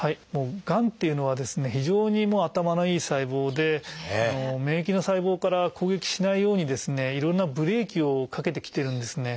がんというのは非常に頭のいい細胞で免疫の細胞から攻撃しないようにいろんなブレーキをかけてきてるんですね。